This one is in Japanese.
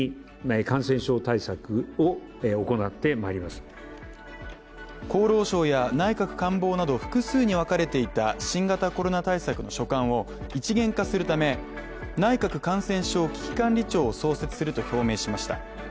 さらに厚労省や内閣官房など複数にわかれていた新型コロナ対策の所管を一元化するため、内閣感染症危機管理庁を創設すると表明しました。